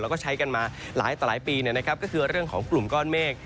แล้วก็ใช้กันมาหลายต่อหลายปีก็คือเรื่องของกลุ่มก้อนเมฆ